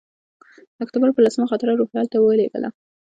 د اکتوبر پر لسمه خاطره روهیال ته ولېږله.